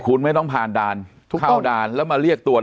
คุณไม่ต้องผ่านด่านทุกเข้าด่านแล้วมาเรียกตรวจ